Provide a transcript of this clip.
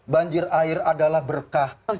banjir air adalah berkah